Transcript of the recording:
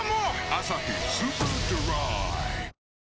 「アサヒスーパードライ」